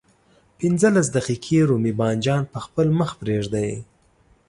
پنځلس دقيقې رومي بانجان په خپل مخ پرېږدئ.